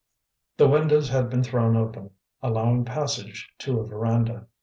The windows had been thrown open, allowing passage to a veranda.